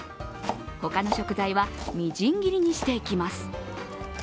他の食材は、みじん切りにしていきます。